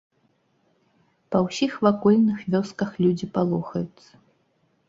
Па ўсіх вакольных вёсках людзі палохаюцца.